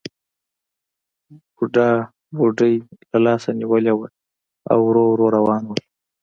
بوډا بوډۍ له لاسه نیولې وه او ورو ورو روان وو